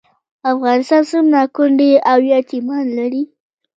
افغانستان څومره کونډې او یتیمان لري؟